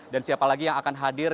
dan siapa lagi yang akan hadir